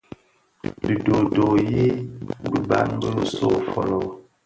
Dhi doodoo yi biban bin nso fōlō.